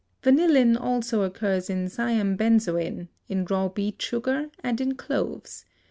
Vanillin also occurs in Siam benzoin, in raw beet sugar and in cloves.